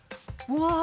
うわ。